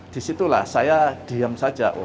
di situlah saya diam saja